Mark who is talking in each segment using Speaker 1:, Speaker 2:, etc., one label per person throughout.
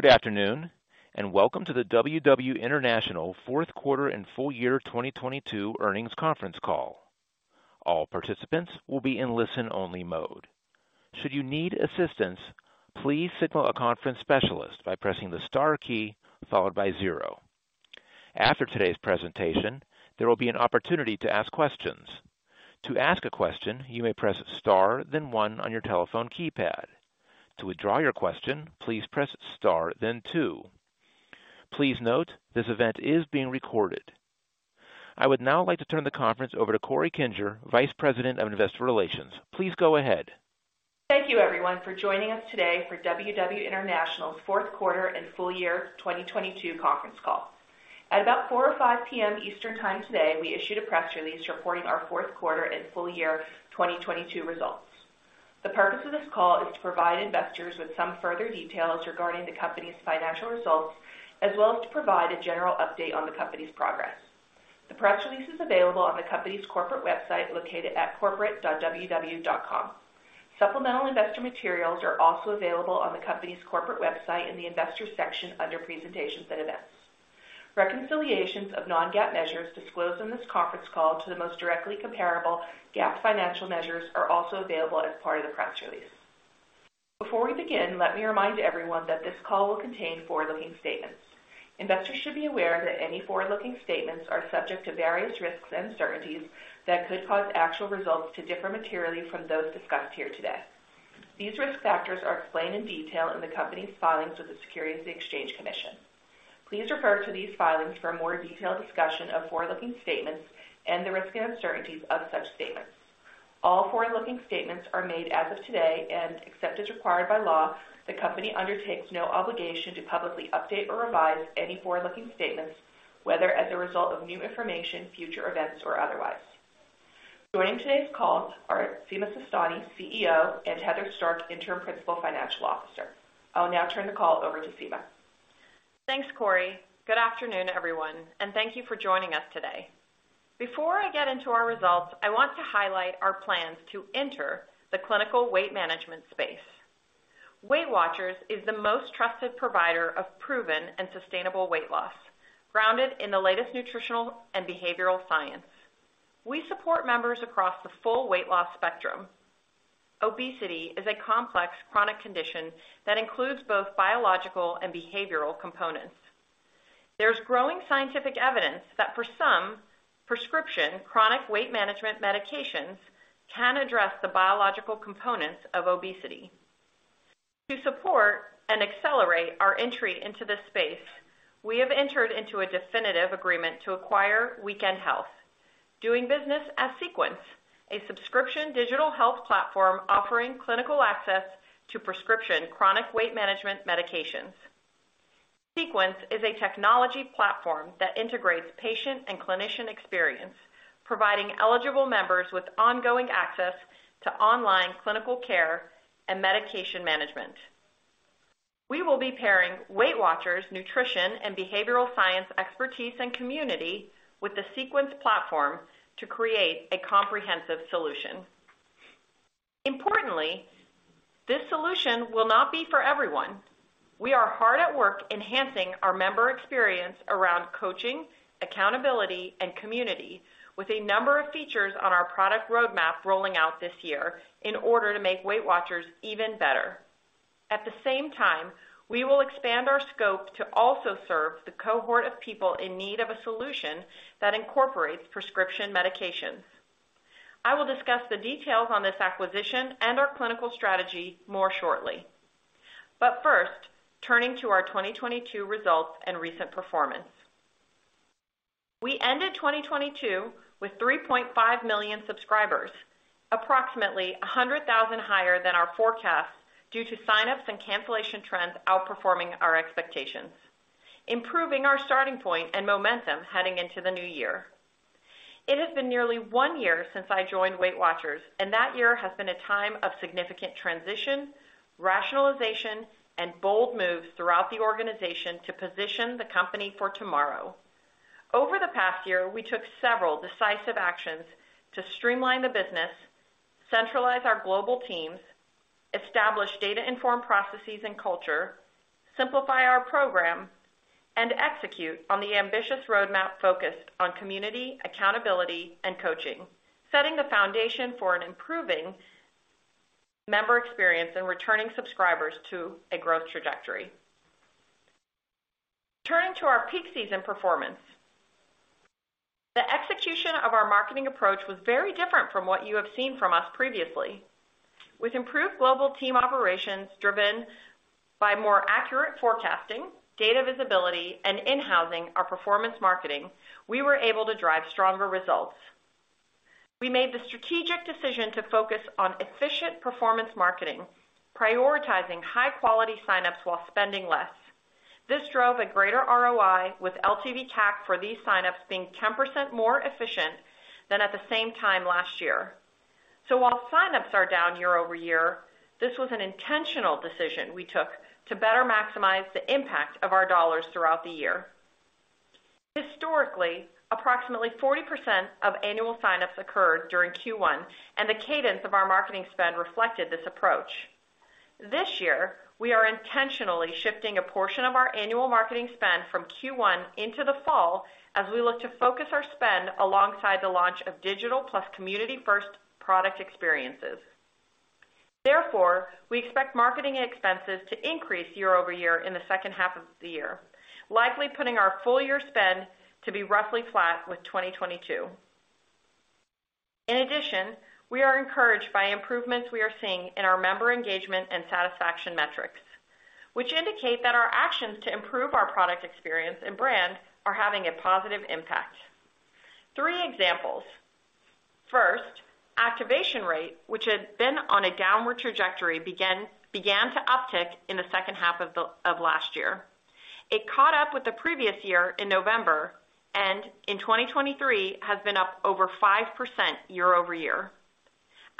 Speaker 1: Good afternoon, welcome to the WW International fourth quarter and full year 2022 earnings conference call. All participants will be in listen-only mode. Should you need assistance, please signal a conference specialist by pressing the star key followed by zero. After today's presentation, there will be an opportunity to ask questions. To ask a question, you may press star then one on your telephone keypad. To withdraw your question, please press star then two. Please note this event is being recorded. I would now like to turn the conference over to Corey Kinger, Vice President of Investor Relations. Please go ahead.
Speaker 2: Thank you everyone for joining us today for WW International's fourth quarter and full year 2022 conference call. About 4:05 P.M. Eastern time today, we issued a press release reporting our fourth quarter and full year 2022 results. The purpose of this call is to provide investors with some further details regarding the company's financial results, as well as to provide a general update on the company's progress. The press release is available on the company's corporate website, located at corporate.ww.com. Supplemental investor materials are also available on the company's corporate website in the investors section under presentations and events. Reconciliations of non-GAAP measures disclosed on this conference call to the most directly comparable GAAP financial measures are also available as part of the press release. Before we begin, let me remind everyone that this call will contain forward-looking statements. Investors should be aware that any forward-looking statements are subject to various risks and uncertainties that could cause actual results to differ materially from those discussed here today. These risk factors are explained in detail in the company's filings with the Securities and Exchange Commission. Please refer to these filings for a more detailed discussion of forward-looking statements and the risks and uncertainties of such statements. All forward-looking statements are made as of today, and except as required by law, the company undertakes no obligation to publicly update or revise any forward-looking statements, whether as a result of new information, future events, or otherwise. Joining today's call are Sima Sistani, CEO, and Heather Stark, Interim Principal Financial Officer. I'll now turn the call over to Sima.
Speaker 3: Thanks, Corey. Good afternoon, everyone, and thank you for joining us today. Before I get into our results, I want to highlight our plans to enter the clinical weight management space. Weight Watchers is the most trusted provider of proven and sustainable weight loss, grounded in the latest nutritional and behavioral science. We support members across the full weight loss spectrum. Obesity is a complex chronic condition that includes both biological and behavioral components. There's growing scientific evidence that for some, prescription chronic weight management medications can address the biological components of obesity. To support and accelerate our entry into this space, we have entered into a definitive agreement to acquire Weekend Health, doing business as Sequence, a subscription digital health platform offering clinical access to prescription chronic weight management medications. Sequence is a technology platform that integrates patient and clinician experience, providing eligible members with ongoing access to online clinical care and medication management. We will be pairing Weight Watchers nutrition and behavioral science expertise and community with the Sequence platform to create a comprehensive solution. Importantly, this solution will not be for everyone. We are hard at work enhancing our member experience around coaching, accountability, and community with a number of features on our product roadmap rolling out this year in order to make Weight Watchers even better. At the same time, we will expand our scope to also serve the cohort of people in need of a solution that incorporates prescription medications. I will discuss the details on this acquisition and our clinical strategy more shortly. First, turning to our 2022 results and recent performance. We ended 2022 with 3.5 million subscribers, approximately 100,000 higher than our forecast due to sign-ups and cancellation trends outperforming our expectations, improving our starting point and momentum heading into the new year. It has been nearly one year since I joined Weight Watchers, and that year has been a time of significant transition, rationalization, and bold moves throughout the organization to position the company for tomorrow. Over the past year, we took several decisive actions to streamline the business, centralize our global teams, establish data-informed processes and culture, simplify our program, and execute on the ambitious roadmap focused on community, accountability, and coaching, setting the foundation for an improving member experience and returning subscribers to a growth trajectory. Turning to our peak season performance. The execution of our marketing approach was very different from what you have seen from us previously. With improved global team operations driven by more accurate forecasting, data visibility, and in-housing our performance marketing, we were able to drive stronger results. We made the strategic decision to focus on efficient performance marketing, prioritizing high-quality sign-ups while spending less. This drove a greater ROI with LTV CAC for these sign-ups being 10% more efficient than at the same time last year. While sign-ups are down year-over-year, this was an intentional decision we took to better maximize the impact of our dollars throughout the year. Historically, approximately 40% of annual sign-ups occurred during Q1, and the cadence of our marketing spend reflected this approach. This year, we are intentionally shifting a portion of our annual marketing spend from Q1 into the fall as we look to focus our spend alongside the launch of digital plus community first product experiences. Therefore, we expect marketing expenses to increase year-over-year in the second half of the year, likely putting our full year spend to be roughly flat with 2022. In addition, we are encouraged by improvements we are seeing in our member engagement and satisfaction metrics, which indicate that our actions to improve our product experience and brand are having a positive impact. Three examples. First, activation rate, which had been on a downward trajectory, began to uptick in the second half of last year. It caught up with the previous year in November, and in 2023 has been up over 5% year-over-year.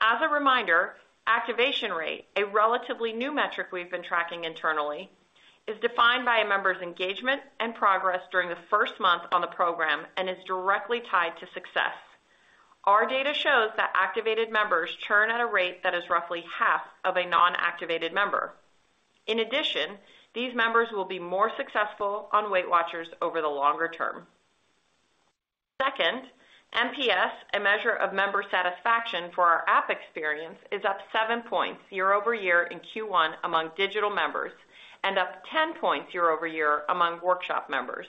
Speaker 3: As a reminder, activation rate, a relatively new metric we've been tracking internally, is defined by a member's engagement and progress during the first month on the program and is directly tied to success. Our data shows that activated members churn at a rate that is roughly half of a non-activated member. In addition, these members will be more successful on Weight Watchers over the longer term. Second, MPS, a measure of member satisfaction for our app experience, is up seven points year-over-year in Q1 among digital members and up 10 points year-over-year among workshop members.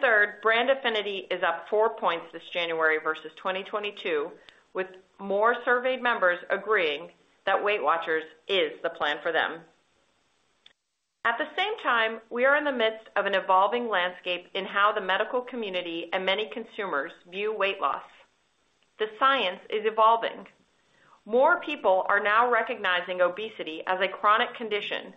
Speaker 3: Third, brand affinity is up four points this January versus 2022, with more surveyed members agreeing that Weight Watchers is the plan for them. At the same time, we are in the midst of an evolving landscape in how the medical community and many consumers view weight loss. The science is evolving. More people are now recognizing obesity as a chronic condition,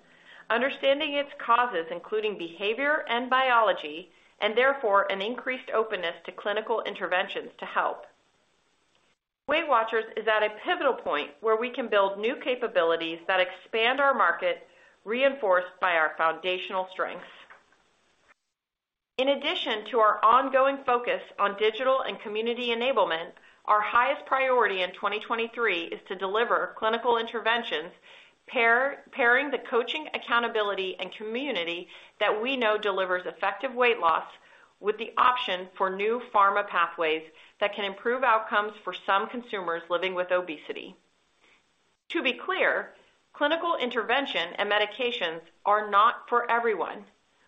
Speaker 3: understanding its causes, including behavior and biology, and therefore an increased openness to clinical interventions to help. Weight Watchers is at a pivotal point where we can build new capabilities that expand our market, reinforced by our foundational strengths. In addition to our ongoing focus on digital and community enablement, our highest priority in 2023 is to deliver clinical interventions, pairing the coaching, accountability, and community that we know delivers effective weight loss with the option for new pharma pathways that can improve outcomes for some consumers living with obesity. To be clear, clinical intervention and medications are not for everyone.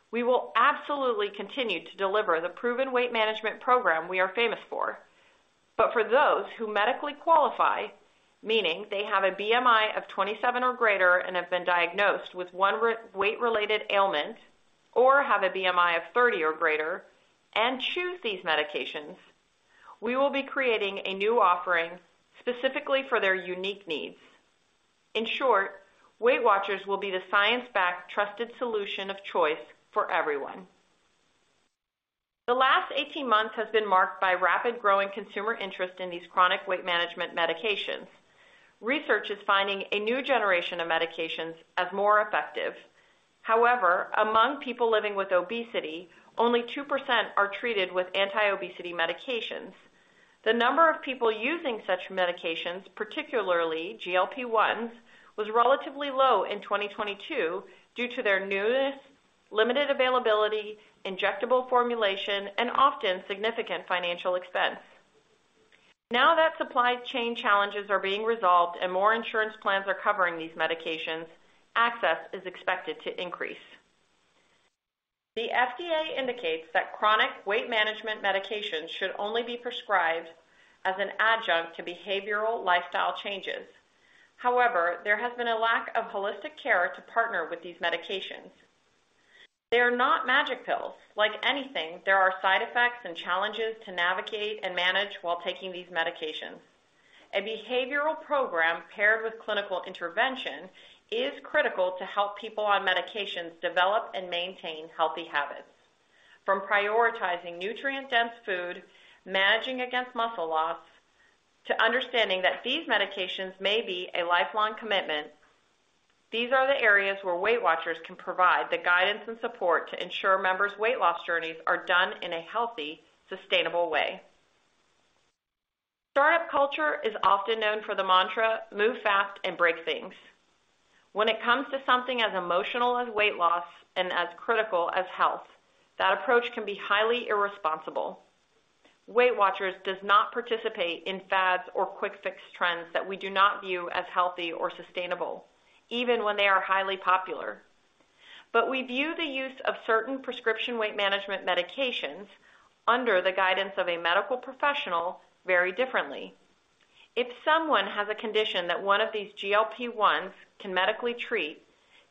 Speaker 3: We will absolutely continue to deliver the proven weight management program we are famous for. For those who medically qualify, meaning they have a BMI of 27 or greater and have been diagnosed with one weight-related ailment or have a BMI of 30 or greater and choose these medications, we will be creating a new offering specifically for their unique needs. In short, Weight Watchers will be the science-backed, trusted solution of choice for everyone. The last 18 months has been marked by rapid growing consumer interest in these chronic weight management medications. Research is finding a new generation of medications as more effective. However, among people living with obesity, only 2% are treated with anti-obesity medications. The number of people using such medications, particularly GLP-1s, was relatively low in 2022 due to their newness, limited availability, injectable formulation, and often significant financial expense. Now that supply chain challenges are being resolved and more insurance plans are covering these medications, access is expected to increase. The FDA indicates that chronic weight management medications should only be prescribed as an adjunct to behavioral lifestyle changes. However, there has been a lack of holistic care to partner with these medications. They are not magic pills. Like anything, there are side effects and challenges to navigate and manage while taking these medications. A behavioral program paired with clinical intervention is critical to help people on medications develop and maintain healthy habits, from prioritizing nutrient-dense food, managing against muscle loss, to understanding that these medications may be a lifelong commitment. These are the areas where Weight Watchers can provide the guidance and support to ensure members' weight loss journeys are done in a healthy, sustainable way. Startup culture is often known for the mantra, "Move fast and break things." When it comes to something as emotional as weight loss and as critical as health, that approach can be highly irresponsible. Weight Watchers does not participate in fads or quick fix trends that we do not view as healthy or sustainable, even when they are highly popular. We view the use of certain prescription weight management medications under the guidance of a medical professional very differently. If someone has a condition that one of these GLP-1s can medically treat,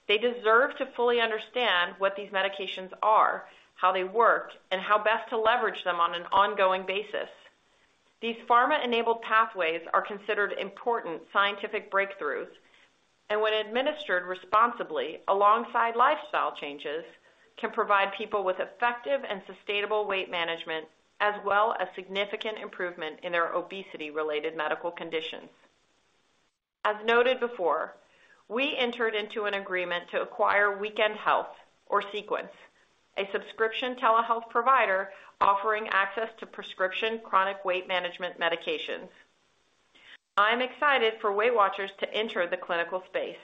Speaker 3: they deserve to fully understand what these medications are, how they work, and how best to leverage them on an ongoing basis. These pharma-enabled pathways are considered important scientific breakthroughs, and when administered responsibly alongside lifestyle changes, can provide people with effective and sustainable weight management as well as significant improvement in their obesity-related medical conditions. As noted before, we entered into an agreement to acquire Weekend Health or Sequence, a subscription telehealth provider offering access to prescription chronic weight management medications. I'm excited for Weight Watchers to enter the clinical space.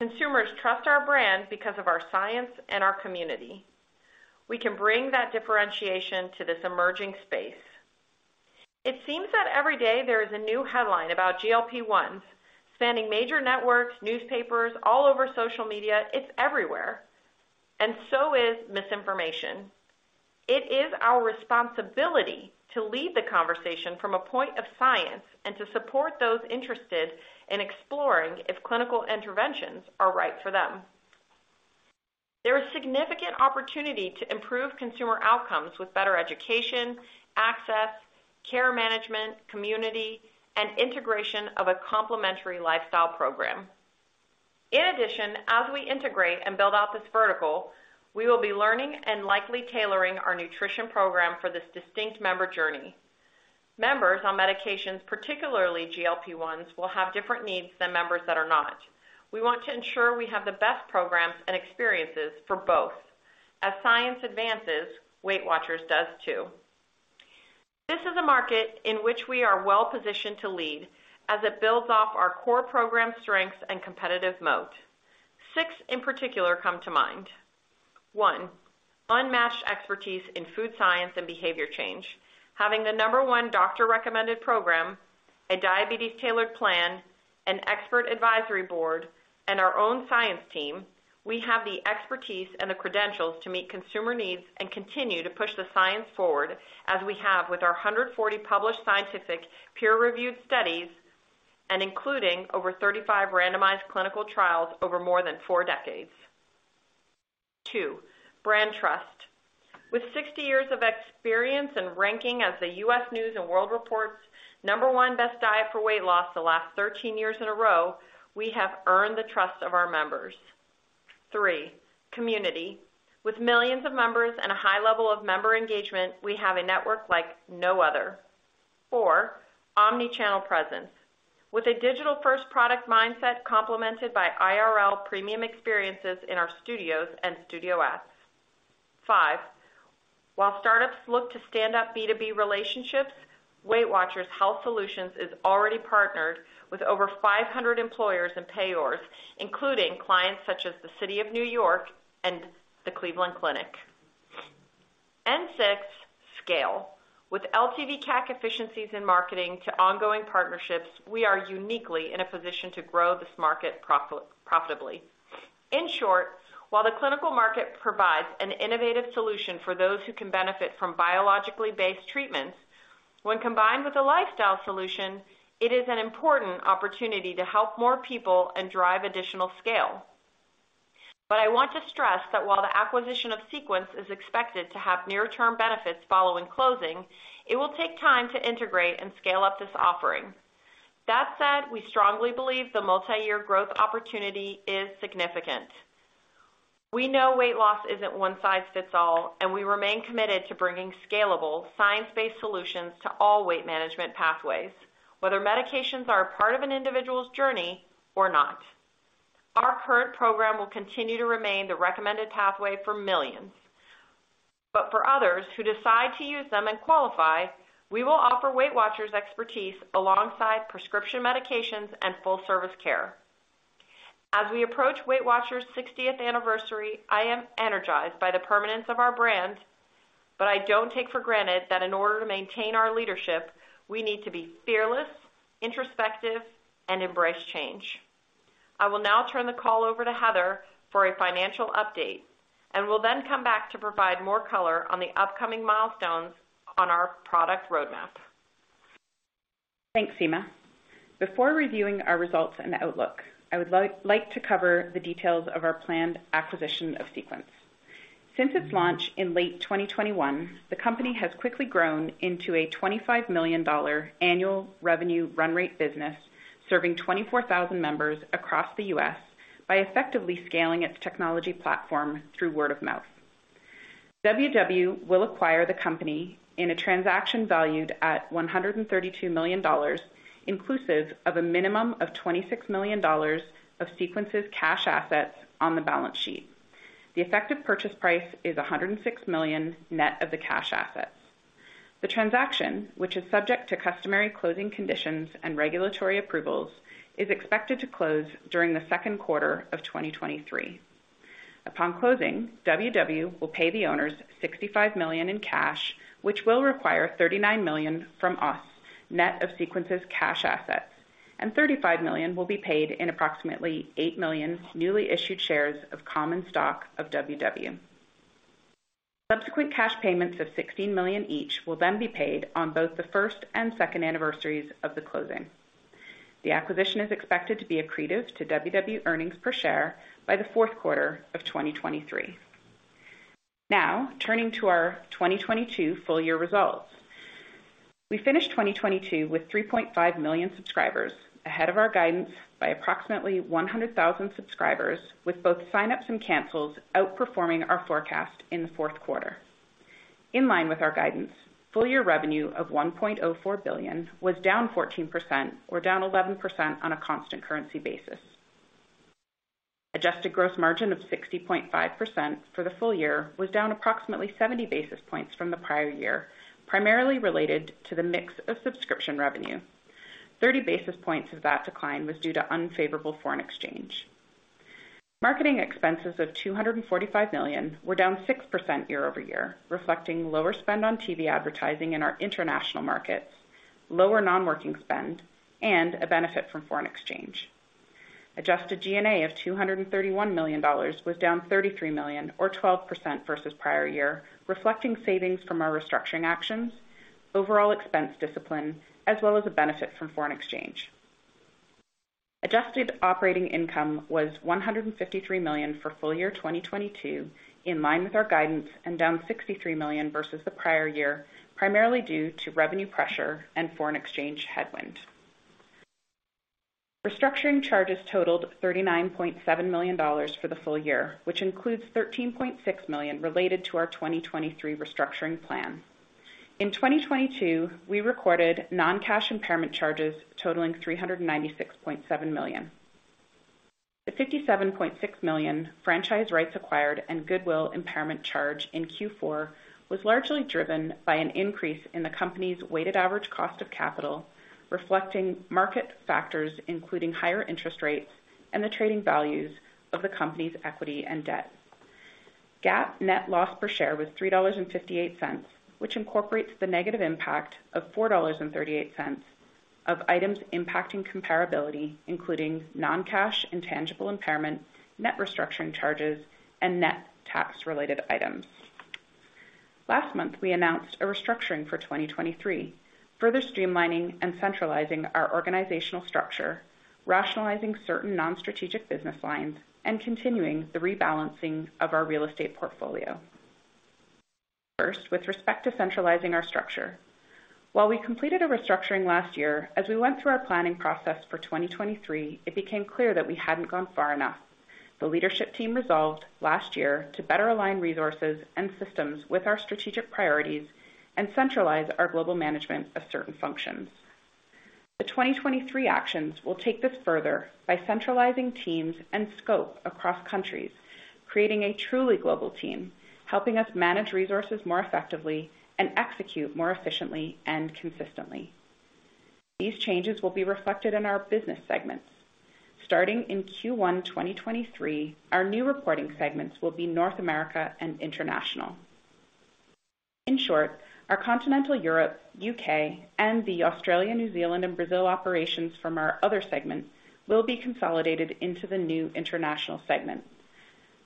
Speaker 3: Consumers trust our brand because of our science and our community. We can bring that differentiation to this emerging space. It seems that every day there is a new headline about GLP-1s spanning major networks, newspapers, all over social media. It's everywhere, and so is misinformation. It is our responsibility to lead the conversation from a point of science and to support those interested in exploring if clinical interventions are right for them. There is significant opportunity to improve consumer outcomes with better education, access, care management, community, and integration of a complementary lifestyle program. In addition, as we integrate and build out this vertical, we will be learning and likely tailoring our nutrition program for this distinct member journey. Members on medications, particularly GLP-1s, will have different needs than members that are not. We want to ensure we have the best programs and experiences for both. As science advances, Weight Watchers does too. This is a market in which we are well-positioned to lead as it builds off our core program strengths and competitive mode. Six in particular come to mind. One, unmatched expertise in food science and behavior change. Having the number one doctor-recommended program, a diabetes-tailored plan, an expert advisory board, and our own science team, we have the expertise and the credentials to meet consumer needs and continue to push the science forward, as we have with our 140 published scientific peer-reviewed studies and including over 35 randomized clinical trials over more than four decades. Two, brand trust. With 60 years of experience and ranking as the U.S. News & World Report's number one best diet for weight loss the last 13 years in a row, we have earned the trust of our members. Three, community. With millions of members and a high level of member engagement, we have a network like no other. Four, omni-channel presence. With a digital-first product mindset complemented by IRL premium experiences in our studios and studio apps. Five, while startups look to stand up B2B relationships, WW Health Solutions is already partnered with over 500 employers and payers, including clients such as the City of New York and the Cleveland Clinic. Six, scale. With LTV/CAC efficiencies in marketing to ongoing partnerships, we are uniquely in a position to grow this market profitably. In short, while the clinical market provides an innovative solution for those who can benefit from biologically based treatments, when combined with a lifestyle solution, it is an important opportunity to help more people and drive additional scale. I want to stress that while the acquisition of Sequence is expected to have near-term benefits following closing, it will take time to integrate and scale up this offering. That said, we strongly believe the multi-year growth opportunity is significant. We know weight loss isn't one size fits all, and we remain committed to bringing scalable, science-based solutions to all weight management pathways, whether medications are a part of an individual's journey or not. Our current program will continue to remain the recommended pathway for millions. For others who decide to use them and qualify, we will offer Weight Watchers expertise alongside prescription medications and full service care. As we approach Weight Watchers sixtieth anniversary, I am energized by the permanence of our brand, but I don't take for granted that in order to maintain our leadership, we need to be fearless, introspective, and embrace change. I will now turn the call over to Heather for a financial update, and will then come back to provide more color on the upcoming milestones on our product roadmap.
Speaker 4: Thanks, Sima. Before reviewing our results and outlook, I would like to cover the details of our planned acquisition of Sequence. Since its launch in late 2021, the company has quickly grown into a $25 million annual revenue run rate business, serving 24,000 members across the U.S. by effectively scaling its technology platform through word of mouth. WW will acquire the company in a transaction valued at $132 million, inclusive of a minimum of $26 million of Sequence's cash assets on the balance sheet. The effective purchase price is $106 million net of the cash assets. The transaction, which is subject to customary closing conditions and regulatory approvals, is expected to close during the second quarter of 2023. Upon closing, WW will pay the owners $65 million in cash, which will require $39 million from us, net of Sequence's cash assets, and $35 million will be paid in approximately 8 million newly issued shares of common stock of WW. Subsequent cash payments of $16 million each will then be paid on both the first and second anniversaries of the closing. The acquisition is expected to be accretive to WW earnings per share by the fourth quarter of 2023. Turning to our 2022 full year results. We finished 2022 with 3.5 million subscribers, ahead of our guidance by approximately 100,000 subscribers, with both sign-ups and cancels outperforming our forecast in the fourth quarter. In line with our guidance, full year revenue of $1.04 billion was down 14% or down 11% on a constant currency basis. Adjusted gross margin of 60.5% for the full year was down approximately 70 basis points from the prior year, primarily related to the mix of subscription revenue. 30 basis points of that decline was due to unfavorable foreign exchange. Marketing expenses of $245 million were down 6% year-over-year, reflecting lower spend on TV advertising in our international markets, lower non-working spend, and a benefit from foreign exchange. Adjusted G&A of $231 million was down $33 million or 12% versus prior year, reflecting savings from our restructuring actions, overall expense discipline, as well as a benefit from foreign exchange. Adjusted operating income was $153 million for full year 2022, in line with our guidance and down $63 million versus the prior year, primarily due to revenue pressure and foreign exchange headwind. Restructuring charges totaled $39.7 million for the full year, which includes $13.6 million related to our 2023 restructuring plan. In 2022, we recorded non-cash impairment charges totaling $396.7 million. The $57.6 million franchise rights acquired and goodwill impairment charge in Q4 was largely driven by an increase in the company's weighted average cost of capital, reflecting market factors including higher interest rates and the trading values of the company's equity and debt. GAAP net loss per share was $3.58, which incorporates the negative impact of $4.38 of items impacting comparability, including non-cash intangible impairment, net restructuring charges, and net tax-related items. Last month, we announced a restructuring for 2023, further streamlining and centralizing our organizational structure, rationalizing certain non-strategic business lines, and continuing the rebalancing of our real estate portfolio. First, with respect to centralizing our structure. While we completed a restructuring last year, as we went through our planning process for 2023, it became clear that we hadn't gone far enough. The leadership team resolved last year to better align resources and systems with our strategic priorities and centralize our global management of certain functions. The 2023 actions will take this further by centralizing teams and scope across countries, creating a truly global team, helping us manage resources more effectively and execute more efficiently and consistently. These changes will be reflected in our business segments. Starting in Q1 2023, our new reporting segments will be North America and International. In short, our Continental Europe, U.K., and the Australia, New Zealand, and Brazil operations from our other segments will be consolidated into the new international segment.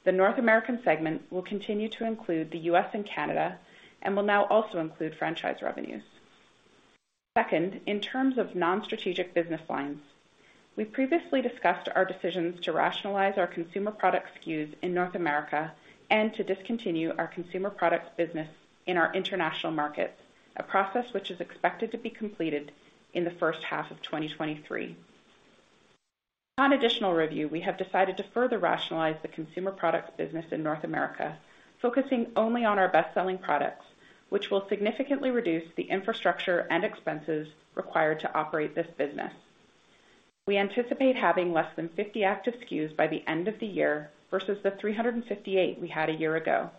Speaker 4: The North American segment will continue to include the U.S. and Canada, and will now also include franchise revenues. Second, in terms of non-strategic business lines, we previously discussed our decisions to rationalize our consumer product SKUs in North America and to discontinue our consumer products business in our international markets, a process which is expected to be completed in the first half of 2023. On additional review, we have decided to further rationalize the consumer products business in North America, focusing only on our best-selling products, which will significantly reduce the infrastructure and expenses required to operate this business. We anticipate having less than 50 active SKUs by the end of the year, versus the 358 we had a year ago.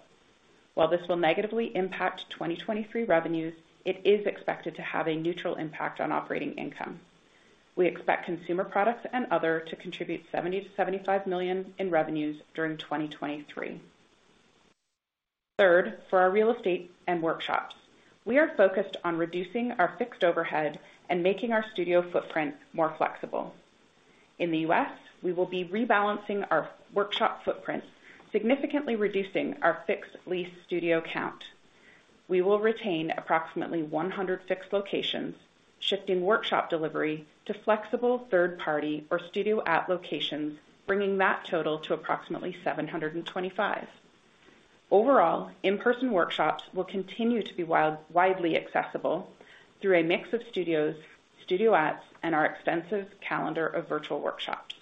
Speaker 4: While this will negatively impact 2023 revenues, it is expected to have a neutral impact on operating income. We expect consumer products and other to contribute $70 million-$75 million in revenues during 2023. Third, for our real estate and workshops, we are focused on reducing our fixed overhead and making our Studio footprint more flexible. In the U.S., we will be rebalancing our workshop footprint, significantly reducing our fixed lease Studio count. We will retain approximately 100 fixed locations, shifting workshop delivery to flexible third party or Studio at locations, bringing that total to approximately 725. Overall, in-person workshops will continue to be widely accessible through a mix of studios, Studio @, and our extensive calendar of virtual workshops.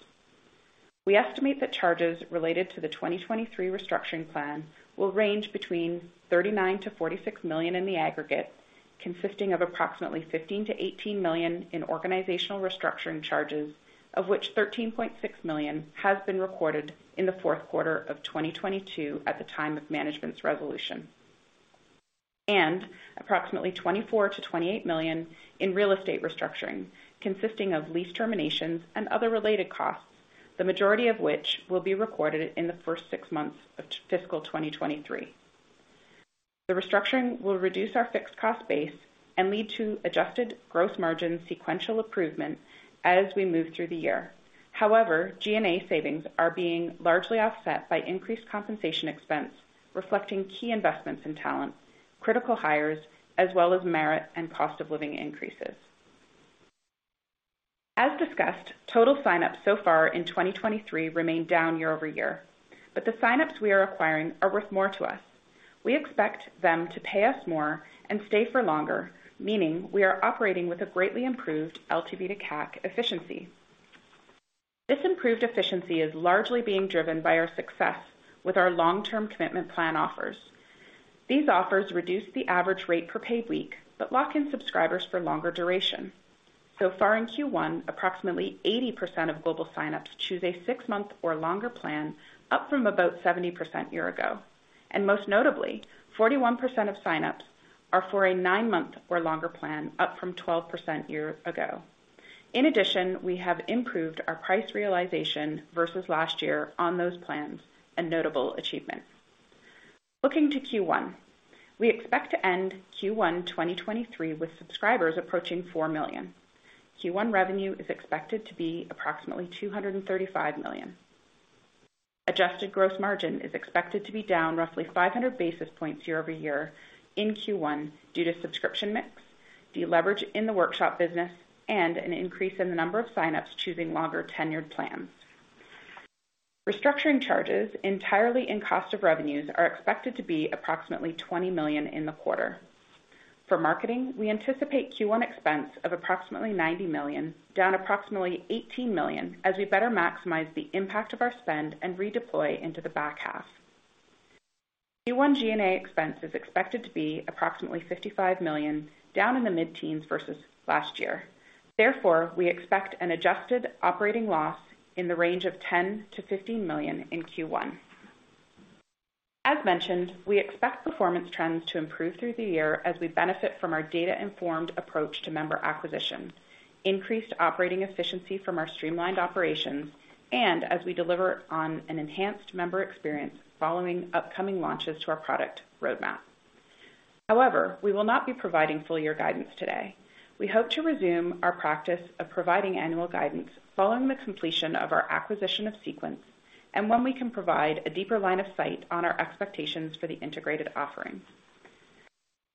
Speaker 4: We estimate that charges related to the 2023 restructuring plan will range between $39 million-$46 million in the aggregate, consisting of approximately $15 million-$18 million in organizational restructuring charges, of which $13.6 million has been recorded in the fourth quarter of 2022 at the time of management's resolution, and approximately $24 million-$28 million in real estate restructuring, consisting of lease terminations and other related costs, the majority of which will be recorded in the first six months of fiscal 2023. The restructuring will reduce our fixed cost base and lead to adjusted gross margin sequential improvement as we move through the year. However, G&A savings are being largely offset by increased compensation expense, reflecting key investments in talent, critical hires, as well as merit and cost of living increases. As discussed, total signups so far in 2023 remain down year-over-year, but the signups we are acquiring are worth more to us. We expect them to pay us more and stay for longer, meaning we are operating with a greatly improved LTV to CAC efficiency. This improved efficiency is largely being driven by our success with our long-term commitment plan offers. These offers reduce the average rate per paid week, but lock in subscribers for longer duration. Far in Q1, approximately 80% of global signups choose a six-month or longer plan, up from about 70% year ago. Most notably, 41% of signups are for a nine-month or longer plan, up from 12% year ago. We have improved our price realization versus last year on those plans, a notable achievement. Looking to Q1, we expect to end Q1 2023 with subscribers approaching 4 million. Q1 revenue is expected to be approximately $235 million. Adjusted gross margin is expected to be down roughly 500 basis points year-over-year in Q1 due to subscription mix, deleverage in the workshop business, and an increase in the number of signups choosing longer-tenured plans. Restructuring charges entirely in cost of revenues are expected to be approximately $20 million in the quarter. We anticipate Q1 expense of approximately $90 million, down approximately $18 million as we better maximize the impact of our spend and redeploy into the back half. Q1 G&A expense is expected to be approximately $55 million, down in the mid-teens versus last year. Therefore, we expect an adjusted operating loss in the range of $10 million-$15 million in Q1. As mentioned, we expect performance trends to improve through the year as we benefit from our data-informed approach to member acquisition, increased operating efficiency from our streamlined operations, and as we deliver on an enhanced member experience following upcoming launches to our product roadmap. However, we will not be providing full year guidance today. We hope to resume our practice of providing annual guidance following the completion of our acquisition of Sequence and when we can provide a deeper line of sight on our expectations for the integrated offerings.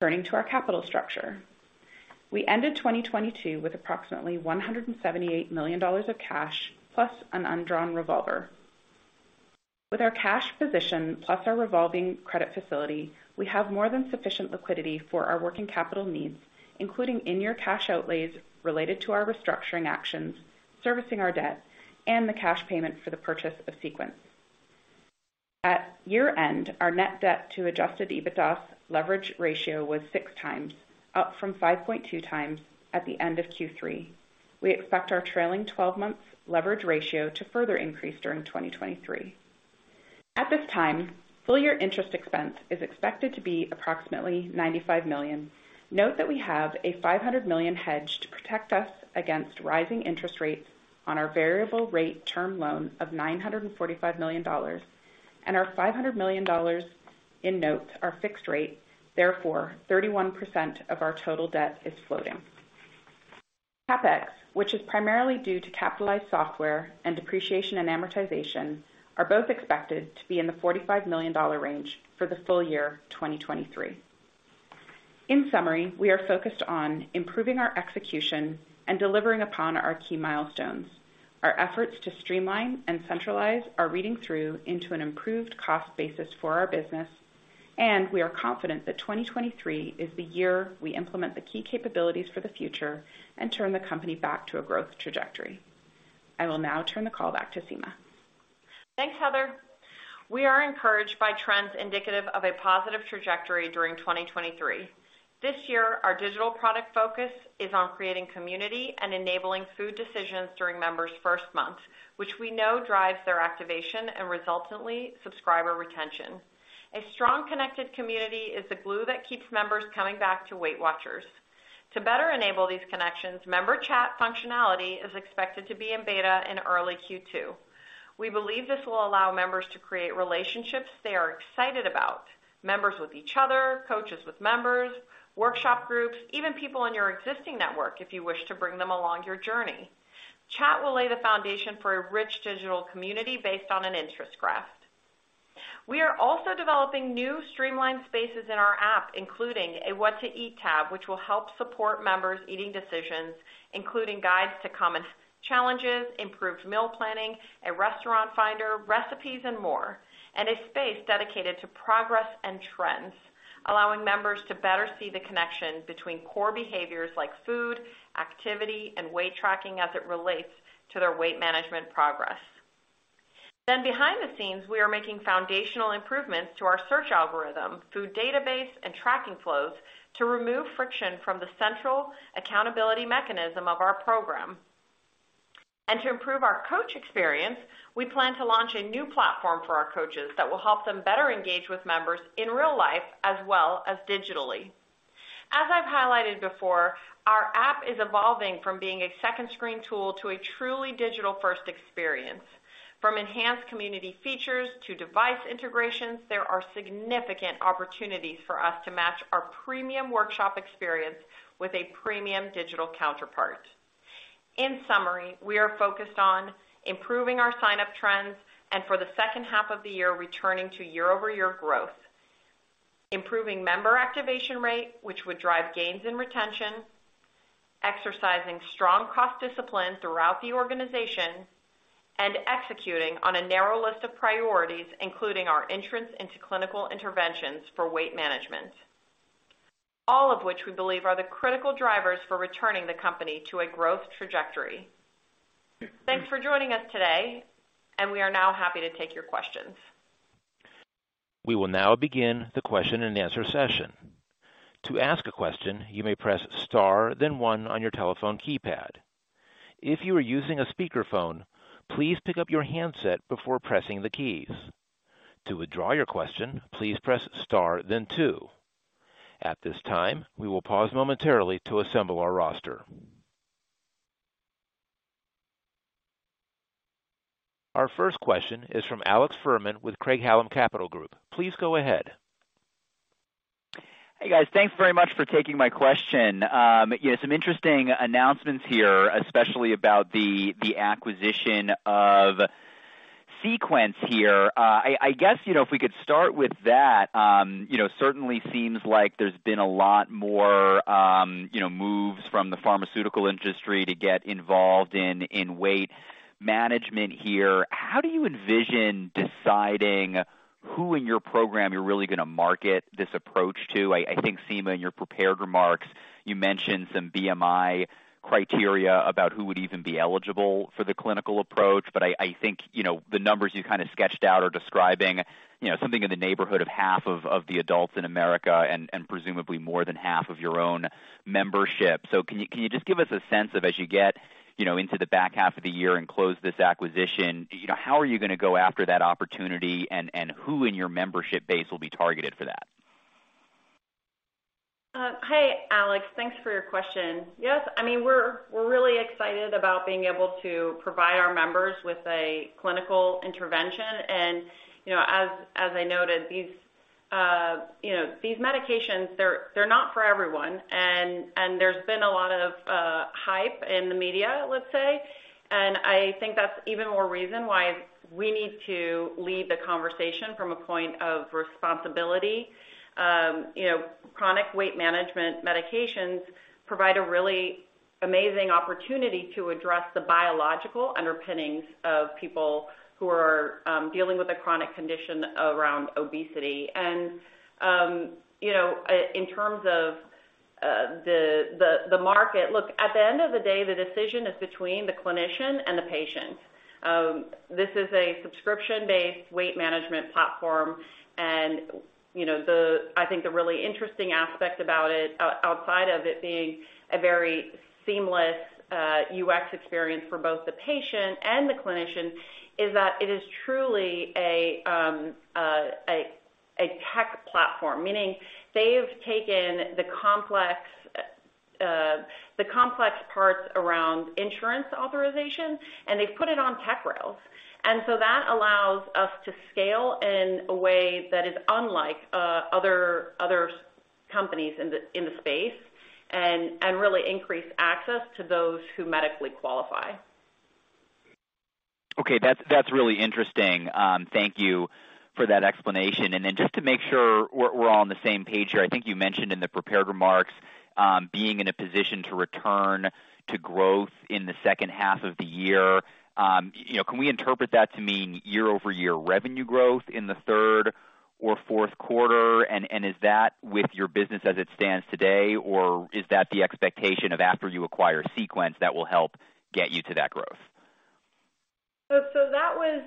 Speaker 4: To our capital structure. We ended 2022 with approximately $178 million of cash plus an undrawn revolver. With our cash position plus our revolving credit facility, we have more than sufficient liquidity for our working capital needs, including in-year cash outlays related to our restructuring actions, servicing our debt, and the cash payment for the purchase of Sequence. At year-end, our net debt to adjusted EBITDA's leverage ratio was 6x, up from 5.2x at the end of Q3. We expect our trailing 12-month leverage ratio to further increase during 2023. At this time, full year interest expense is expected to be approximately $95 million. Note that we have a $500 million hedge to protect us against rising interest rates on our variable rate term loan of $945 million, and our $500 million in notes are fixed rate, therefore, 31% of our total debt is floating. CapEx, which is primarily due to capitalized software and depreciation and amortization, are both expected to be in the $45 million range for the full year 2023. In summary, we are focused on improving our execution and delivering upon our key milestones. Our efforts to streamline and centralize are reading through into an improved cost basis for our business, and we are confident that 2023 is the year we implement the key capabilities for the future and turn the company back to a growth trajectory. I will now turn the call back to Sima.
Speaker 3: Thanks, Heather. We are encouraged by trends indicative of a positive trajectory during 2023. This year, our digital product focus is on creating community and enabling food decisions during members' first month, which we know drives their activation and resultantly, subscriber retention. A strong connected community is the glue that keeps members coming back to Weight Watchers. To better enable these connections, member chat functionality is expected to be in beta in early Q2. We believe this will allow members to create relationships they are excited about, members with each other, coaches with members, workshop groups, even people in your existing network, if you wish to bring them along your journey. Chat will lay the foundation for a rich digital community based on an interest graph. We are also developing new streamlined spaces in our app, including a What to Eat tab, which will help support members' eating decisions, including guides to common challenges, improved meal planning, a restaurant finder, recipes, and more, and a space dedicated to progress and trends, allowing members to better see the connection between core behaviors like food, activity, and weight tracking as it relates to their weight management progress. Behind the scenes, we are making foundational improvements to our search algorithm, food database, and tracking flows to remove friction from the central accountability mechanism of our program. To improve our coach experience, we plan to launch a new platform for our coaches that will help them better engage with members in real life as well as digitally. As I've highlighted before, our app is evolving from being a second screen tool to a truly digital-first experience. From enhanced community features to device integrations, there are significant opportunities for us to match our premium workshop experience with a premium digital counterpart. In summary, we are focused on improving our sign-up trends, and for the second half of the year, returning to year-over-year growth, improving member activation rate, which would drive gains in retention, exercising strong cost discipline throughout the organization, and executing on a narrow list of priorities, including our entrance into clinical interventions for weight management. All of which we believe are the critical drivers for returning the company to a growth trajectory. Thanks for joining us today, and we are now happy to take your questions.
Speaker 1: We will now begin the question and answer session. To ask a question, you may press Star, then one on your telephone keypad. If you are using a speakerphone, please pick up your handset before pressing the keys. To withdraw your question, please press Star then two. At this time, we will pause momentarily to assemble our roster. Our first question is from Alex Fuhrman with Craig-Hallum Capital Group. Please go ahead.
Speaker 5: Hey, guys. Thanks very much for taking my question. Yeah, some interesting announcements here, especially about the acquisition of Sequence here. I guess, you know, if we could start with that. You know, certainly seems like there's been a lot more, you know, moves from the pharmaceutical industry to get involved in weight management here. How do you envision deciding who in your program you're really gonna market this approach to? I think, Sima, in your prepared remarks, you mentioned some BMI criteria about who would even be eligible for the clinical approach. I think, you know, the numbers you kinda sketched out are describing, you know, something in the neighborhood of half of the adults in America and presumably more than half of your own membership. Can you just give us a sense of as you get, you know, into the back half of the year and close this acquisition, you know, how are you gonna go after that opportunity and who in your membership base will be targeted for that?
Speaker 3: Hi, Alex. Thanks for your question. Yes, I mean, we're really excited about being able to provide our members with a clinical intervention. You know, as I noted, these, you know, these medications, they're not for everyone. There's been a lot of hype in the media, let's say, and I think that's even more reason why we need to lead the conversation from a point of responsibility. You know, chronic weight management medications provide a really amazing opportunity to address the biological underpinnings of people who are dealing with a chronic condition around obesity. You know, in terms of the market. Look, at the end of the day, the decision is between the clinician and the patient. This is a subscription-based weight management platform. You know, I think the really interesting aspect about it, outside of it being a very seamless UX experience for both the patient and the clinician, is that it is truly a tech platform. Meaning they've taken the complex, the complex parts around insurance authorization, and they've put it on tech rails. That allows us to scale in a way that is unlike other companies in the space and really increase access to those who medically qualify.
Speaker 5: Okay. That's, that's really interesting. Thank you for that explanation. Just to make sure we're all on the same page here. I think you mentioned in the prepared remarks, being in a position to return to growth in the second half of the year. You know, can we interpret that to mean year-over-year revenue growth in the third or fourth quarter? Is that with your business as it stands today, or is that the expectation of after you acquire Sequence that will help get you to that growth?
Speaker 3: That was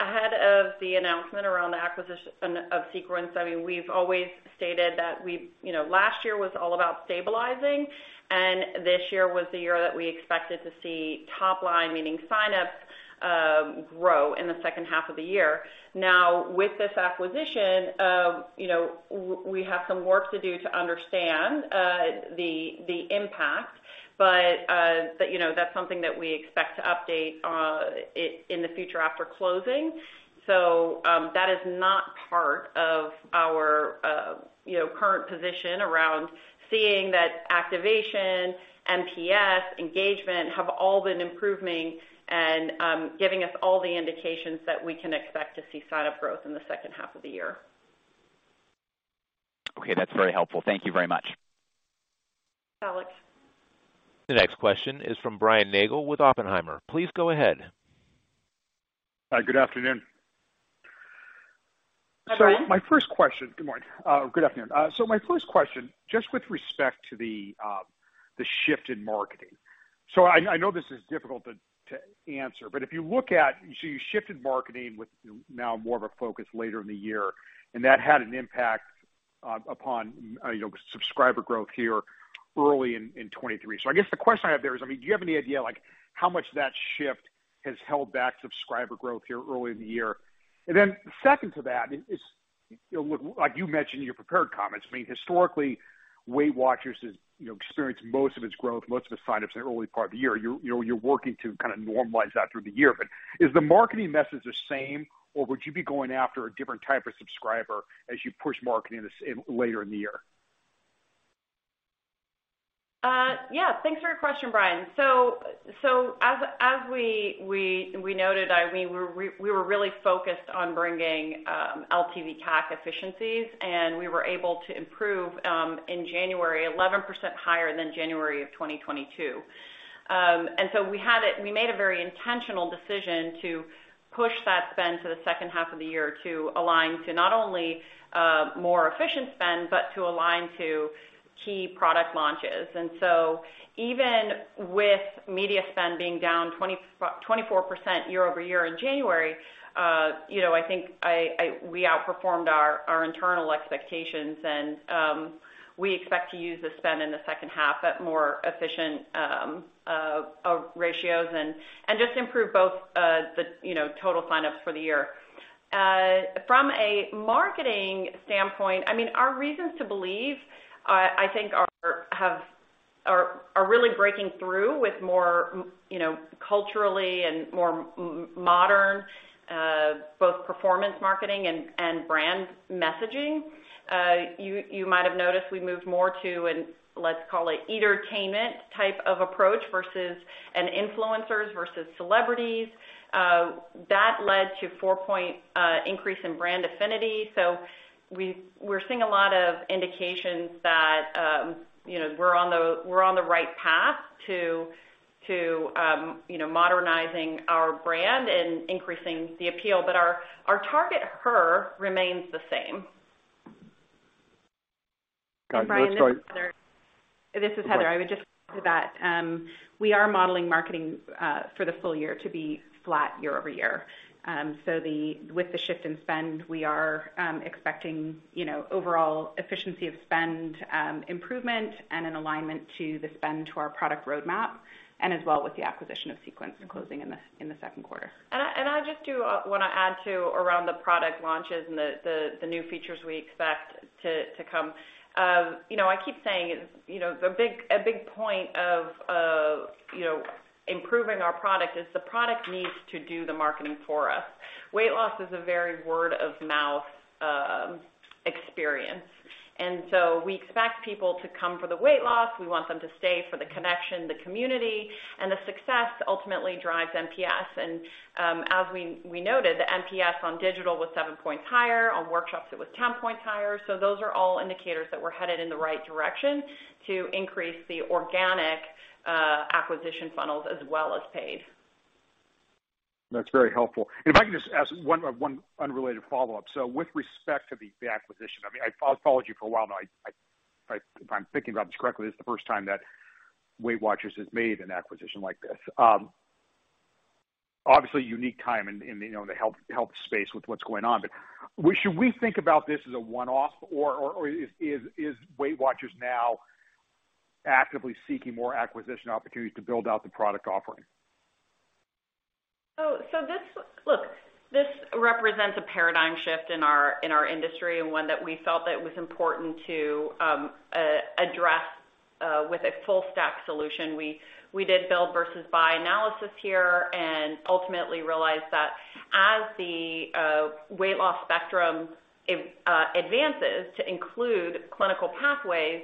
Speaker 3: ahead of the announcement around the acquisition of Sequence. I mean, we've always stated that we, you know, last year was all about stabilizing, and this year was the year that we expected to see top line, meaning sign-ups, grow in the second half of the year. With this acquisition, you know, we have some work to do to understand the impact. You know, that's something that we expect to update in the future after closing. That is not part of our, you know, current position around seeing that activation, MPS, engagement have all been improving and giving us all the indications that we can expect to see sign-up growth in the second half of the year.
Speaker 5: Okay. That's very helpful. Thank you very much.
Speaker 3: Thanks, Alex.
Speaker 1: The next question is from Brian Nagel with Oppenheimer. Please go ahead.
Speaker 6: Hi, good afternoon.
Speaker 3: Hi, Brian.
Speaker 6: My first question. Good morning. Good afternoon. My first question, just with respect to the shift in marketing. I know this is difficult to answer, but if you look at. You shifted marketing with now more of a focus later in the year, and that had an impact upon, you know, subscriber growth here early in 2023. I guess the question I have there is, I mean, do you have any idea, like how much that shift has held back subscriber growth here early in the year? Second to that is, you know, look, like you mentioned in your prepared comments, I mean, historically, Weight Watchers has, you know, experienced most of its growth, most of its sign-ups in the early part of the year. You're, you know, you're working to kind of normalize that through the year. Is the marketing message the same, or would you be going after a different type of subscriber as you push marketing later in the year?
Speaker 3: Yeah, thanks for your question, Brian. As we noted, I mean, we were really focused on bringing LTV/CAC efficiencies, and we were able to improve in January 11% higher than January of 2022. We made a very intentional decision to push that spend to the second half of the year to align to not only more efficient spend, but to align to key product launches. Even with media spend being down 24% year-over-year in January, you know, I think we outperformed our internal expectations and we expect to use the spend in the second half at more efficient ratios and just improve both, you know, total signups for the year. From a marketing standpoint, I mean, our reasons to believe, I think are really breaking through with more, you know, culturally and more modern, both performance marketing and brand messaging. You might have noticed we moved more to an, let's call it, eatertainment type of approach versus an influencers versus celebrities. That led to 4-point increase in brand affinity. We're seeing a lot of indications that, you know, we're on the right path to, you know, modernizing our brand and increasing the appeal. Our target her remains the same.
Speaker 6: Got it.
Speaker 4: This is Heather. I would just add to that, we are modeling marketing for the full year to be flat year-over-year. With the shift in spend, we are expecting, you know, overall efficiency of spend, improvement and an alignment to the spend to our product roadmap and as well with the acquisition of Sequence closing in the second quarter.
Speaker 3: I just do wanna add, too, around the product launches and the new features we expect to come. You know, I keep saying, you know, a big point of, you know, improving our product is the product needs to do the marketing for us. Weight loss is a very word-of-mouth experience. We expect people to come for the weight loss. We want them to stay for the connection, the community, and the success ultimately drives NPS. As we noted, the NPS on digital was 7 points higher. On workshops, it was 10 points higher. Those are all indicators that we're headed in the right direction to increase the organic acquisition funnels as well as paid.
Speaker 6: That's very helpful. If I can just ask one unrelated follow-up. With respect to the acquisition, I mean, I followed you for a while now. I, if I'm thinking about this correctly, this is the first time that Weight Watchers has made an acquisition like this. Obviously a unique time in, you know, the health space with what's going on. Should we think about this as a one-off or is Weight Watchers now actively seeking more acquisition opportunities to build out the product offering?
Speaker 3: This represents a paradigm shift in our industry and one that we felt that it was important to address with a full stack solution. We did build versus buy analysis here and ultimately realized that as the weight loss spectrum, it advances to include clinical pathways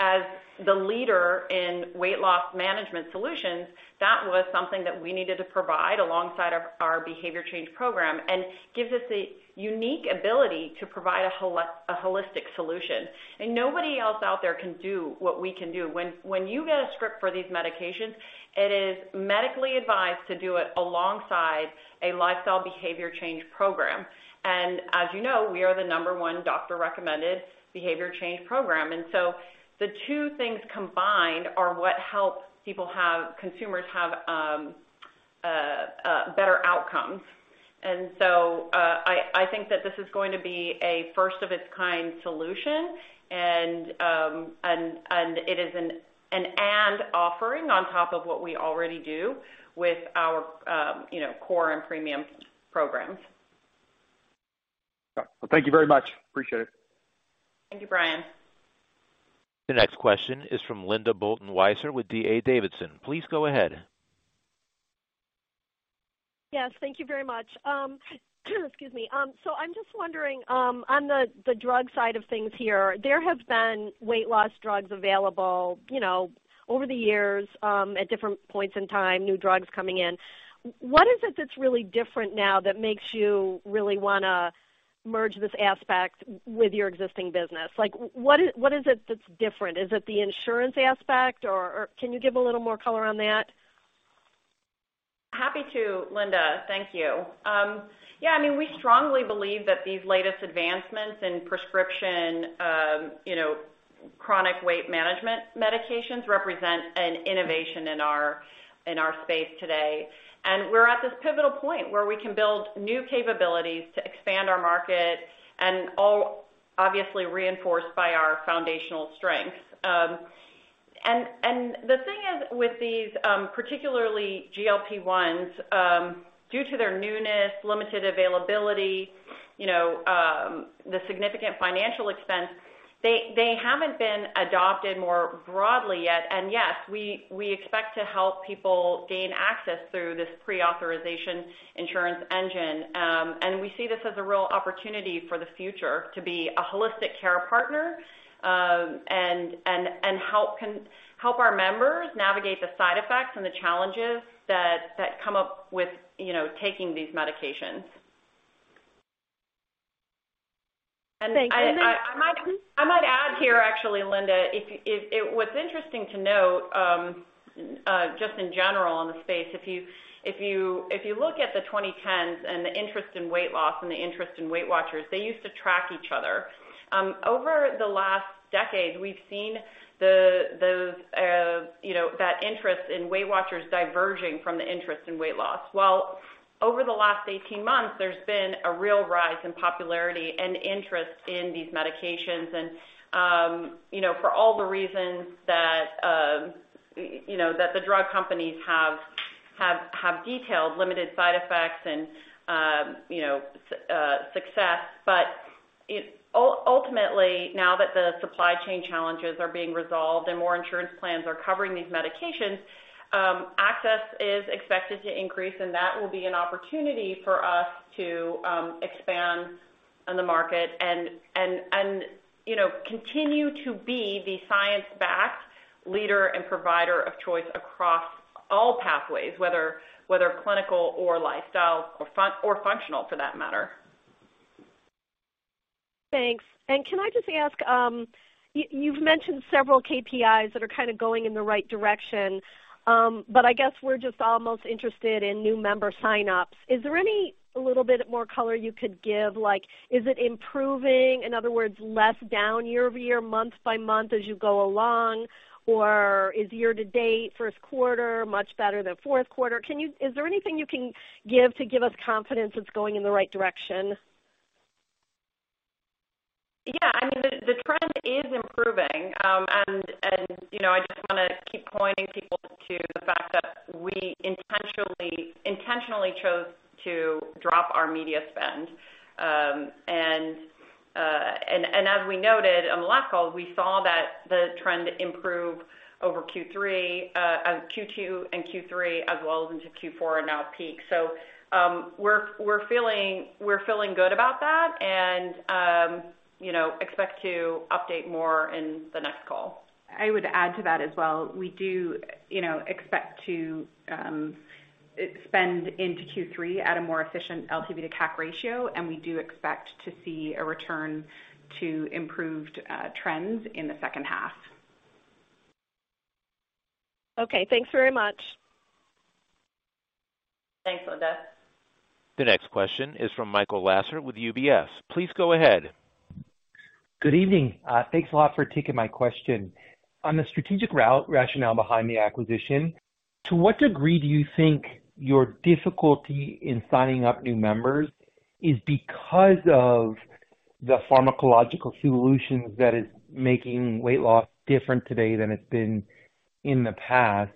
Speaker 3: as the leader in weight loss management solutions, that was something that we needed to provide alongside of our behavior change program and gives us a unique ability to provide a holistic solution. Nobody else out there can do what we can do. When you get a script for these medications, it is medically advised to do it alongside a lifestyle behavior change program. As you know, we are the number one doctor-recommended behavior change program. The two things combined are what helps people have, consumers have, a better outcomes. I think that this is going to be a first of its kind solution. It is an offering on top of what we already do with our, you know, core and premium programs.
Speaker 6: Got it. Well, thank you very much. Appreciate it.
Speaker 3: Thank you, Brian.
Speaker 1: The next question is from Linda Bolton-Weiser with D.A. Davidson. Please go ahead.
Speaker 7: Yes, thank you very much. Excuse me. I'm just wondering on the drug side of things here, there have been weight loss drugs available, you know, over the years, at different points in time, new drugs coming in. What is it that's really different now that makes you really wanna merge this aspect with your existing business? Like, what is it that's different? Is it the insurance aspect or can you give a little more color on that?
Speaker 3: Happy to, Linda. Thank you. Yeah, I mean, we strongly believe that these latest advancements in prescription, you know, chronic weight management medications represent an innovation in our space today. We're at this pivotal point where we can build new capabilities to expand our market and all obviously reinforced by our foundational strengths. The thing is with these, particularly GLP-1s, due to their newness, limited availability, you know, the significant financial expense, they haven't been adopted more broadly yet. Yes, we expect to help people gain access through this pre-authorization insurance engine. We see this as a real opportunity for the future to be a holistic care partner, and help our members navigate the side effects and the challenges that come up with, you know, taking these medications. I might add here actually, Linda, if what's interesting to note, just in general in the space, if you look at the 2010s and the interest in weight loss and the interest in Weight Watchers, they used to track each other. Over the last decade, we've seen those, you know, that interest in Weight Watchers diverging from the interest in weight loss. Well, over the last 18 months, there's been a real rise in popularity and interest in these medications. You know, for all the reasons that, you know, that the drug companies have detailed limited side effects and, you know, success. Ultimately, now that the supply chain challenges are being resolved and more insurance plans are covering these medications, access is expected to increase, and that will be an opportunity for us to expand on the market and, you know, continue to be the science-backed leader and provider of choice across all pathways, whether clinical or lifestyle or functional for that matter.
Speaker 7: Thanks. Can I just ask, you've mentioned several KPIs that are kind of going in the right direction. I guess we're just all most interested in new member sign-ups. Is there any little bit more color you could give? Like, is it improving, in other words, less down year-over-year, month-by-month as you go along? Is year to date first quarter much better than fourth quarter? Is there anything you can give to give us confidence it's going in the right direction?
Speaker 3: Yeah. I mean, the trend is improving. You know, I just wanna keep pointing people to the fact that we intentionally chose to drop our media spend. As we noted on the last call, we saw that the trend improve over Q3, Q2 and Q3 as well as into Q4 and now peak. We're feeling good about that and, you know, expect to update more in the next call.
Speaker 4: I would add to that as well. We do, you know, expect to spend into Q3 at a more efficient LTV to CAC ratio, and we do expect to see a return to improved trends in the second half.
Speaker 7: Okay, thanks very much.
Speaker 3: Thanks, Linda.
Speaker 1: The next question is from Michael Lasser with UBS. Please go ahead.
Speaker 8: Good evening. Thanks a lot for taking my question. On the strategic rationale behind the acquisition, to what degree do you think your difficulty in signing up new members is because of the pharmacological solutions that is making weight loss different today than it's been in the past?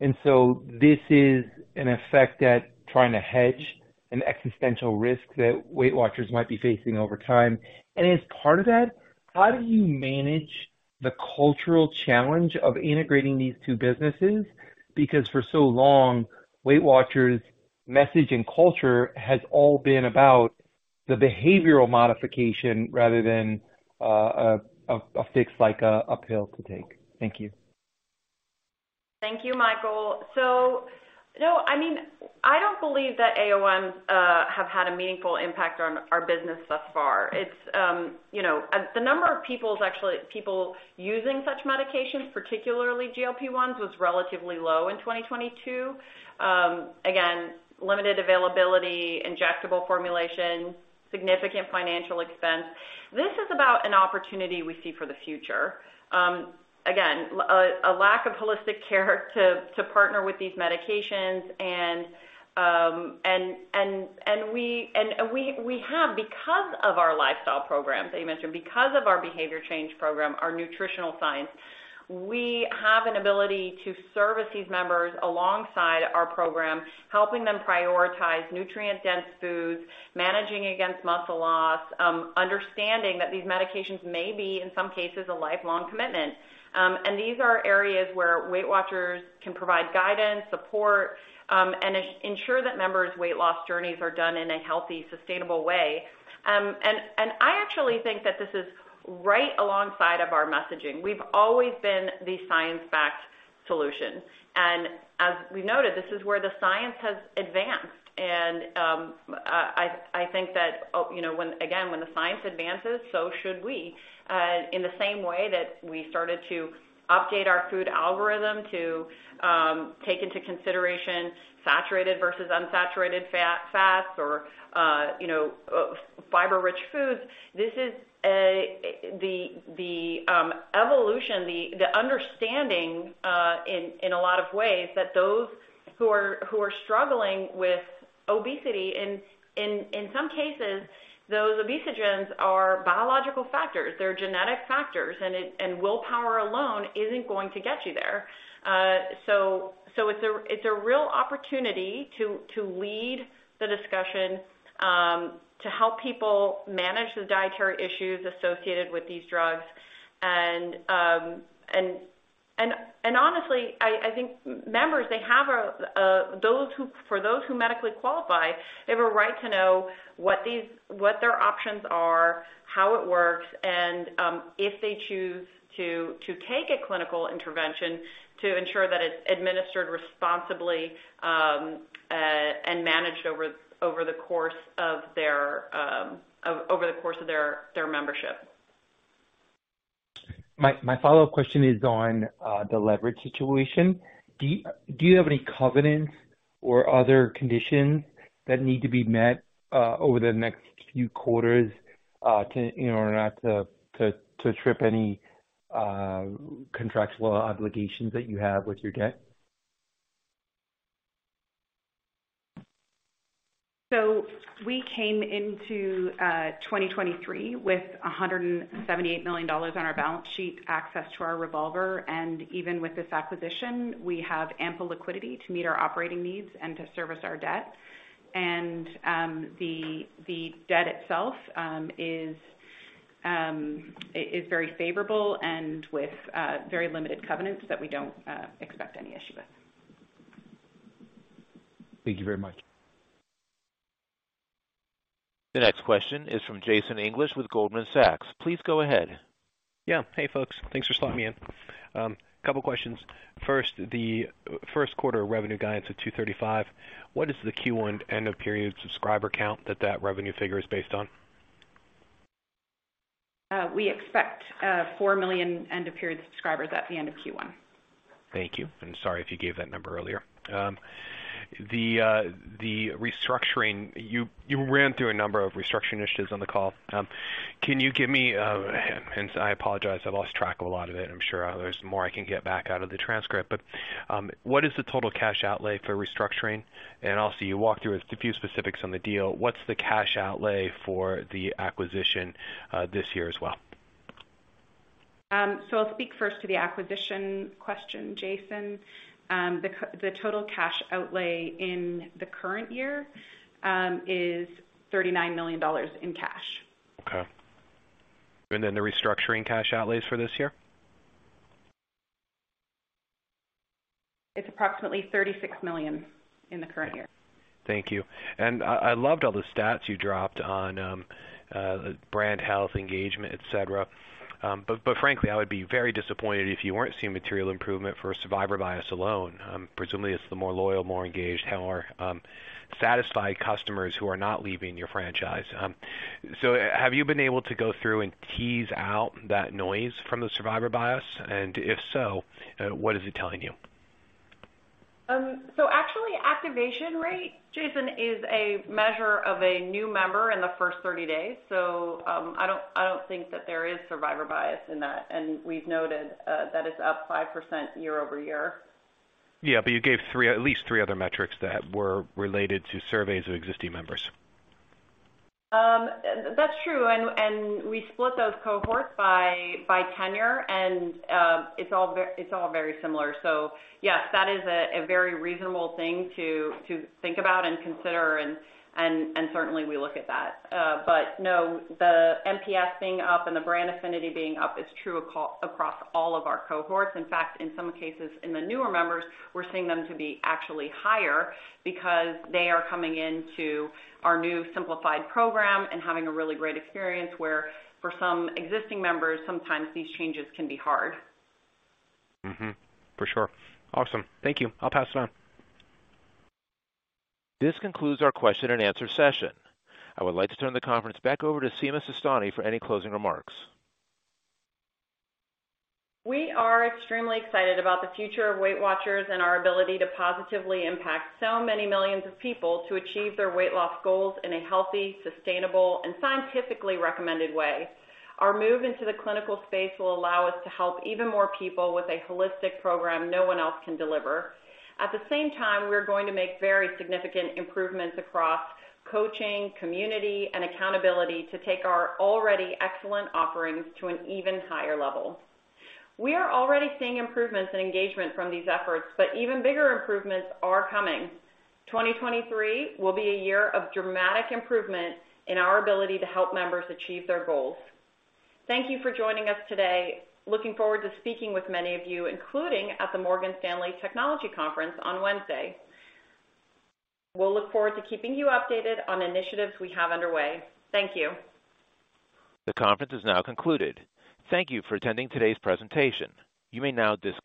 Speaker 8: This is an effect at trying to hedge an existential risk that Weight Watchers might be facing over time. As part of that, how do you manage the cultural challenge of integrating these two businesses? For so long, Weight Watchers' message and culture has all been about the behavioral modification rather than a fix like a pill to take. Thank you.
Speaker 3: Thank you, Michael. You know, I mean, I don't believe that AOMs have had a meaningful impact on our business thus far. It's, you know, the number of people using such medications, particularly GLP-1s, was relatively low in 2022. Again, limited availability, injectable formulation, significant financial expense. This is about an opportunity we see for the future. Again, a lack of holistic care to partner with these medications and we have because of our lifestyle programs that you mentioned, because of our behavior change program, our nutritional science, we have an ability to service these members alongside our program, helping them prioritize nutrient-dense foods, managing against muscle loss, understanding that these medications may be, in some cases, a lifelong commitment. These are areas where Weight Watchers can provide guidance, support, and ensure that members' weight loss journeys are done in a healthy, sustainable way. I actually think that this is right alongside of our messaging. We've always been the science-backed solution. As we noted, this is where the science has advanced. I think that, you know, again, when the science advances, so should we. In the same way that we started to update our food algorithm to take into consideration saturated versus unsaturated fat, or, you know, fiber-rich foods, this is the evolution, the understanding, in a lot of ways that those who are struggling with obesity. In some cases, those obesogens are biological factors. They're genetic factors, and willpower alone isn't going to get you there. It's a real opportunity to lead the discussion to help people manage the dietary issues associated with these drugs. Honestly, I think members, for those who medically qualify, they have a right to know what their options are. How it works, and if they choose to take a clinical intervention to ensure that it's administered responsibly and managed over the course of their membership.
Speaker 8: My follow-up question is on the leverage situation. Do you have any covenants or other conditions that need to be met over the next few quarters to, you know, to trip any contractual obligations that you have with your debt?
Speaker 3: We came into 2023 with $178 million on our balance sheet access to our revolver. Even with this acquisition, we have ample liquidity to meet our operating needs and to service our debt. The debt itself is very favorable and with very limited covenants that we don't expect any issue with.
Speaker 8: Thank you very much.
Speaker 1: The next question is from Jason English with Goldman Sachs. Please go ahead.
Speaker 9: Yeah. Hey, folks. Thanks for slotting me in. Two questions. First, the first quarter revenue guidance at $235, what is the Q1 end of period subscriber count that revenue figure is based on?
Speaker 3: We expect 4 million end of period subscribers at the end of Q1.
Speaker 9: Thank you. Sorry if you gave that number earlier. The restructuring, you ran through a number of restructuring initiatives on the call. Can you give me, hence, I apologize, I lost track of a lot of it. I'm sure there's more I can get back out of the transcript. What is the total cash outlay for restructuring? Also you walk through a few specifics on the deal. What's the cash outlay for the acquisition this year as well?
Speaker 3: I'll speak first to the acquisition question, Jason. The total cash outlay in the current year is $39 million in cash.
Speaker 9: Okay. Then the restructuring cash outlays for this year?
Speaker 3: It's approximately $36 million in the current year.
Speaker 9: Thank you. I loved all the stats you dropped on brand health engagement, et cetera. Frankly, I would be very disappointed if you weren't seeing material improvement for survivor bias alone. Presumably it's the more loyal, more engaged, more satisfied customers who are not leaving your franchise. Have you been able to go through and tease out that noise from the survivor bias? If so, what is it telling you?
Speaker 3: actually activation rate, Jason, is a measure of a new member in the first 30 days, so I don't think that there is survivor bias in that. We've noted that it's up 5% year-over-year.
Speaker 9: Yeah, you gave three, at least three other metrics that were related to surveys of existing members.
Speaker 3: That's true. We split those cohorts by tenure and it's all very similar. Yes, that is a very reasonable thing to think about and consider and certainly we look at that. No, the NPS being up and the brand affinity being up is true across all of our cohorts. In fact, in some cases, in the newer members, we're seeing them to be actually higher because they are coming into our new simplified program and having a really great experience, where for some existing members, sometimes these changes can be hard.
Speaker 9: For sure. Awesome. Thank you. I'll pass it on.
Speaker 1: This concludes our question and answer session. I would like to turn the conference back over to Sima Sistani for any closing remarks.
Speaker 3: We are extremely excited about the future of Weight Watchers and our ability to positively impact so many millions of people to achieve their weight loss goals in a healthy, sustainable, and scientifically recommended way. Our move into the clinical space will allow us to help even more people with a holistic program no one else can deliver. At the same time, we're going to make very significant improvements across coaching, community, and accountability to take our already excellent offerings to an even higher level. We are already seeing improvements in engagement from these efforts, but even bigger improvements are coming. 2023 will be a year of dramatic improvement in our ability to help members achieve their goals. Thank you for joining us today. Looking forward to speaking with many of you, including at the Morgan Stanley Technology, Media & Telecom Conference on Wednesday. We'll look forward to keeping you updated on initiatives we have underway. Thank you.
Speaker 1: The conference is now concluded. Thank you for attending today's presentation. You may now disconnect.